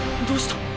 どうした？